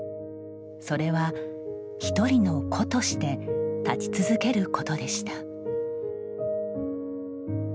それは一人の個として立ち続けることでした。